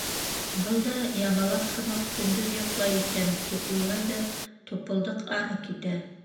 Был да, Ябалаҡ һымаҡ, көндөҙ йоҡлай икән, тип уйлай ҙа, Тупылдыҡ ары китә.